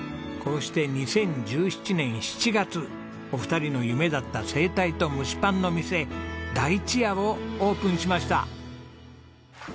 こうして２０１７年７月お二人の夢だった整体と蒸しパンの店「だいちや」をオープンしました。